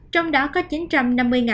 trong đó có chín trăm năm mươi trẻ